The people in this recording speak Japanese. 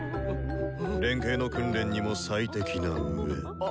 連携の訓練にも最適な上。